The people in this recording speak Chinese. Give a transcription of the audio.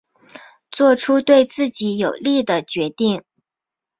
做出对自己有利的决定